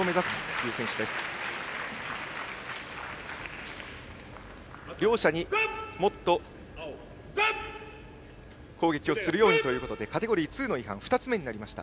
両者にもっと攻撃をするようにということでカテゴリー２の違反が２つ目になりました。